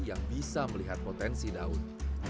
yang bisa melihat potensi daun